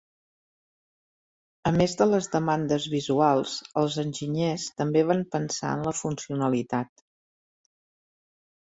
A més de les demandes visuals, els enginyers també van pensar en la funcionalitat.